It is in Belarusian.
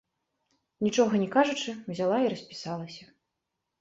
Нічога не кажучы, узяла і распісалася.